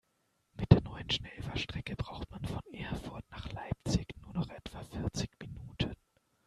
Mit der neuen Schnellfahrstrecke braucht man von Erfurt nach Leipzig nur noch etwa vierzig Minuten